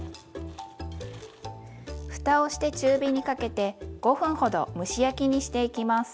ふたをして中火にかけて５分ほど蒸し焼きにしていきます。